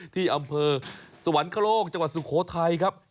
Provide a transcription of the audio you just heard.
ที่อำเภอสวรรคโลกจังหวัดสุโขทัยครับ